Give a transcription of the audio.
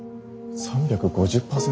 ３５０％。